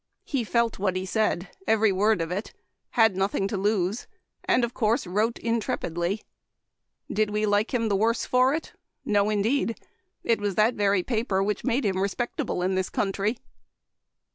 He felt what he said, every word of it, 144 Memoir of Washington Irving. had nothing to lose, and, of course, wrote in trepidly. Did we like him the worse for it ? No, indeed. It was that very paper which made him respectable in this country.